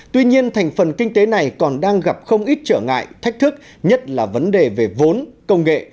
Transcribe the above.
tuy nhiên thành phần kinh tế này còn đang gặp không ít trở ngại thách thức nhất là vấn đề về vốn công nghệ